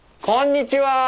こんにちは！